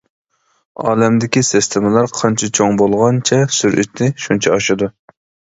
ئالەمدىكى سىستېمىلار قانچە چوڭ بولغانچە سۈرئىتى شۇنچە ئاشىدۇ.